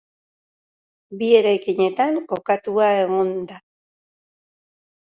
Bi eraikinetan kokatua egon da.